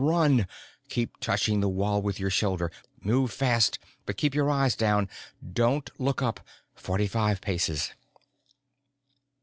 Run. Keep touching the wall with your shoulder. Move fast. But keep your eyes down. Don't look up. Forty five paces.